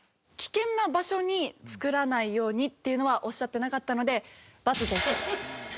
危険な場所に作らないようにっていうのはおっしゃってなかったのでバツです。